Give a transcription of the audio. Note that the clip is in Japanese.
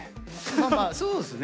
まあまあそうですね。